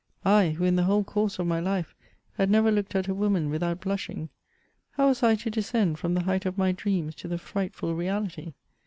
I, who in the whole course of my life, had never looked at a woman without blushing — ^how was I to descend from the' height of my dreams to the frightful reality?